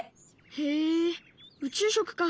へえ宇宙食か。